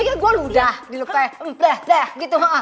ya gua ludah dilepeh mpeh mpeh gitu